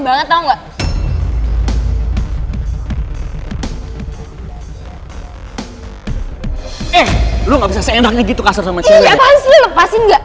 iya apaan sih lo lepasin gak